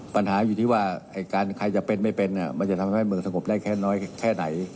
ปัญหาอยู่ที่ว่าใครจะเป็นไม่เป็นมันจะทำให้เมืองสงบได้แค่น้อยแค่ไหน